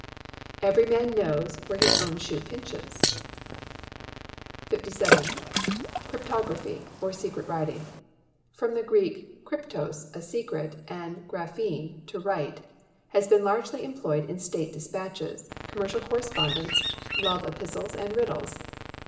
[EVERY MAN KNOWS WHERE HIS OWN SHOE PINCHES.] 57. Cryptography, or secret writing from the Greek cryptos, a secret, and graphein, to write has been largely employed in state despatches, commercial correspondence, love epistles, and riddles.